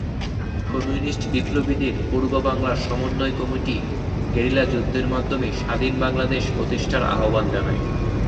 Communist বিপ্লবীদের পূর্ব বাংলা সমন্বয় committee guerrilla যুদ্ধের মাধ্যমে স্বাধীন বাংলাদেশ প্রতিষ্ঠার আহবান জানায়।